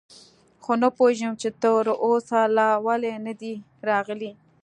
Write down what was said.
خو نه پوهېږم، چې تراوسه لا ولې نه دي راغلي.